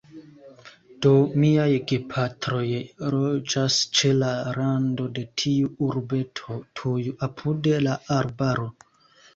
Do, miaj gepatroj loĝas ĉe la rando de tiu urbeto, tuj apud la arbaro.